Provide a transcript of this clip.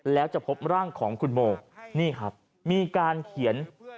แล้วจะพบร่างของคุณโมนี่ครับมีการเขียน